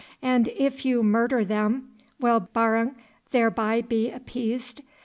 And if you murder them, will Barung thereby be appeased?